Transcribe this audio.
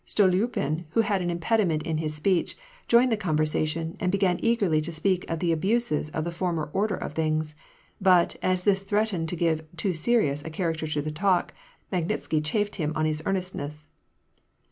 Stoluipin, who had an impediment in his speech, joined the conversation, and began eagerly to speak of the abuses of the former order of things ; but. as this threatened to give a too serious character to the talk, Magnitsky chaffed him on his earnestness.